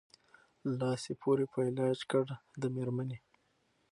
لاس یې پوري په علاج کړ د مېرمني